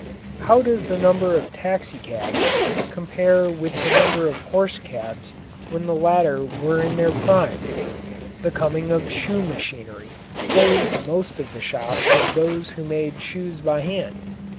How does the number of taxicabs compare with the number of horse cabs when the latter were in their prime? The coming of shoe machinery closed most of the shops of those who made shoes by hand.